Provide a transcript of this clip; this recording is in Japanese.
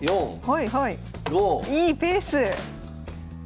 ４！５！いいペース。